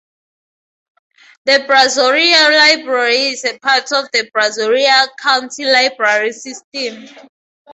The Brazoria Library is a part of the Brazoria County Library System.